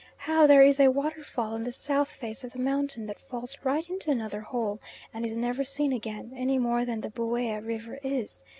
How there is a waterfall on the south face of the mountain that falls right into another hole, and is never seen again, any more than the Buea River is.